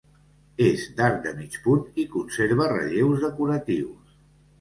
És d'arc de mig punt i conserva relleus decoratius.